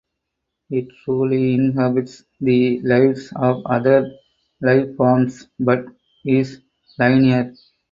It truly inhabits the lives of other lifeforms but is linear.